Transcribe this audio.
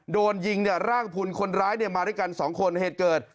โดนยิงเนี่ยร่างพุนคนร้ายมาด้วยกันสองคนเหตุเกิด